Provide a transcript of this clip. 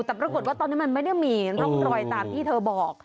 แต่ปรากฏว่าตอนนี้มันไม่ได้มีร่องรอยตามที่เธอบอก